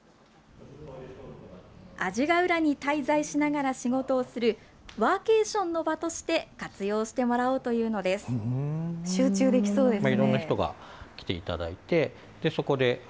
阿字ヶ浦に滞在しながら仕事をする、ワーケーションの場として活集中できそうですね。